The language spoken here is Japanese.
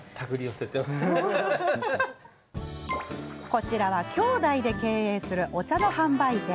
こちらは、兄弟で経営するお茶の販売店。